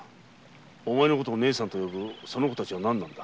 お前のことを姉さんと呼ぶその子たちは何なのだ？